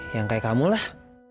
yang kayak kamu lah